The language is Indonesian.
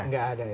nggak ada ya